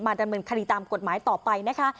ดำเนินคดีตามกฎหมายต่อไปนะคะ